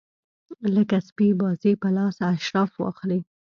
لکه سپي بازي په لاس اشراف واخلي.